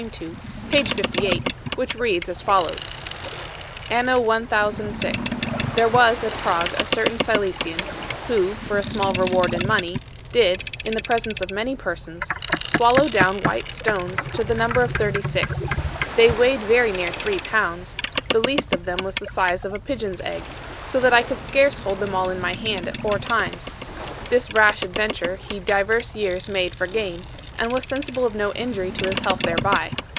II, page 58, which reads as follows: Anno 1006, there was at Prague a certain Silesian, who, for a small reward in money, did (in the presence of many persons) swallow down white stones to the number of thirty six; they weighed very near three pounds; the least of them was of the size of a pigeon's egg, so that I could scarce hold them all in my hand at four times: this rash adventure he divers years made for gain, and was sensible of no injury to his health thereby.